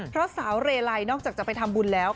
เพราะสาวเรลัยนอกจากจะไปทำบุญแล้ว